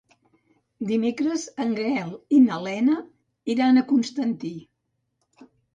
Dimecres en Gaël i na Lena iran a Constantí.